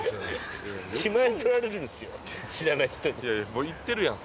もういってるやん。